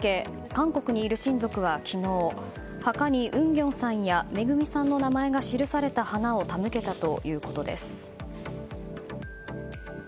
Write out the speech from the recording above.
韓国にいる親族は昨日墓にウンギョンさんやめぐみさんの名前が記された花を手向けたということです。